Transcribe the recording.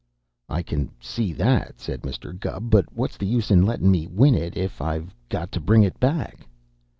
"I can see that," said Mr. Gubb; "but what's the use lettin' me win it if I've got to bring it back?"